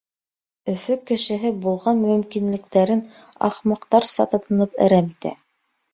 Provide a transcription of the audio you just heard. Өфө кешеһе булған мөмкинлектәрен ахмаҡтарса тотоноп әрәм итә.